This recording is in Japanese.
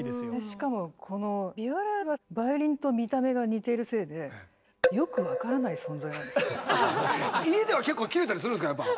しかもこのビオラはバイオリンと見た目が似てるせいで家では結構キレたりするんですかやっぱ。